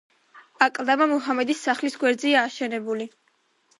აკლდამა მუჰამედის სახლის გვერდზეა აშენებული.